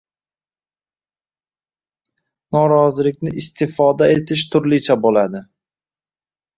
norozilikni istifoda etish turlicha bo‘ldi